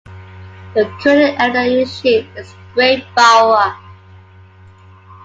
The current Editor-in-Chief is Craig Bauer.